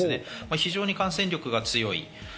非常に感染力が強い。